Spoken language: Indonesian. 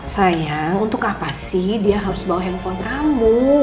sayang untuk apa sih dia harus bawa handphone kamu